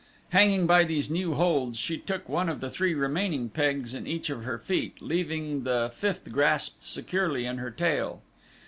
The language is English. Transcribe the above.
Hanging by these new holds she now took one of the three remaining pegs in each of her feet, leaving the fifth grasped securely in her tail.